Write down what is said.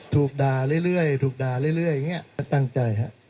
ถูกด่าเรื่อยตั้งใจครับ